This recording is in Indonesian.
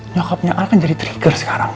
nyokapnya al kan jadi trigger sekarang